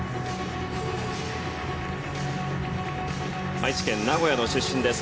愛知県名古屋の出身です。